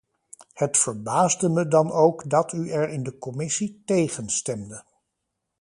Het verbaasde me dan ook dat u er in de commissie tegen stemde.